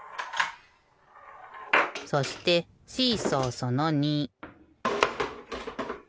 そしてシーソーその２。